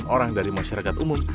delapan orang dari masyarakat umum